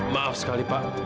maaf sekali pak